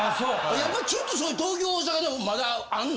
やっぱり東京大阪でもまだあんの？